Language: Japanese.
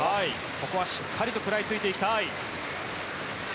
ここはしっかりと食らいついていきたい。